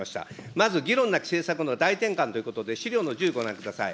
まず議論なき政策の大転換ということで、資料の１０、ご覧ください。